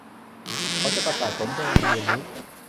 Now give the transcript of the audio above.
เขาจะประกาศผลตอนเย็นนี้